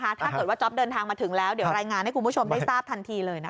ถ้าเกิดว่าจ๊อปเดินทางมาถึงแล้วเดี๋ยวรายงานให้คุณผู้ชมได้ทราบทันทีเลยนะคะ